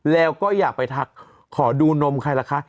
แล้วก็อยากไปทักขอดูนมใครล่ะคะ